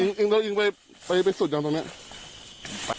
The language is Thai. อิ่งอิ่งแล้วอิ่งไปไปไปสุดอย่างตรงเนี้ย